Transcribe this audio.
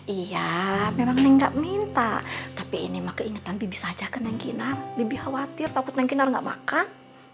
iya memang ini nggak minta tapi ini mah keingetan bibi saja kan yang kinar lebih khawatir takut yang kinar nggak makan